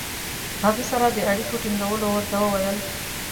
هغه سره د اړیکې ټینګولو ورته وویل.